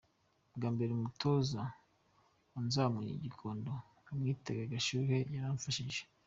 Bwa mbere umutoza wanzamuye i Gikondo, bamwitaga Gashuhe yaramfashije.